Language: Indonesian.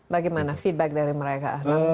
bagaimana feedback dari mereka